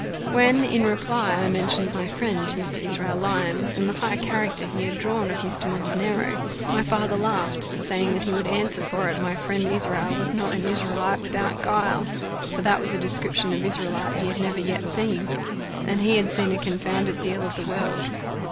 When, in reply, I mentioned my friend, Mr. Israel Lyons, and the high character he had drawn of Mr. Montenero, my father laughed, saying that he would answer for it my friend Israel was not an Israelite without guile; for that was a description of Israelite he had never yet seen, and he had seen a confounded deal of the world.